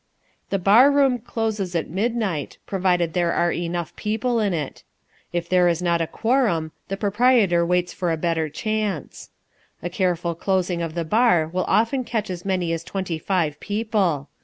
The bar room closes at midnight, provided there are enough people in it. If there is not a quorum the proprietor waits for a better chance. A careful closing of the bar will often catch as many as twenty five people.